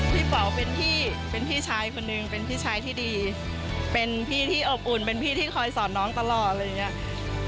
เป๋าเป็นพี่เป็นพี่ชายคนนึงเป็นพี่ชายที่ดีเป็นพี่ที่อบอุ่นเป็นพี่ที่คอยสอนน้องตลอดอะไรอย่างนี้